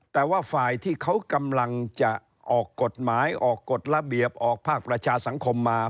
แต่ว่าฝ่ายที่เขากำลังจะออกกฎหมายออกกฎระเบียบออกภาคประชาสังคมมา